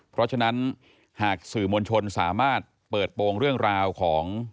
เพราะฉะนั้นหากสื่อมวลชนสามารถเปิดโปรงเรื่องราวของ